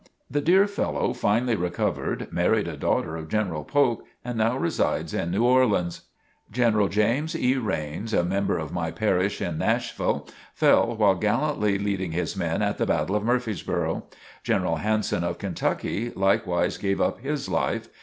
The dear fellow finally recovered, married a daughter of General Polk, and now resides in New Orleans. General James E. Rains, a member of my parish in Nashville, fell while gallantly leading his men at the battle of Murfreesboro. General Hanson of Kentucky, likewise gave up his life.